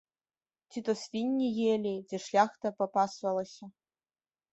Ці то свінні елі, ці шляхта папасвалася.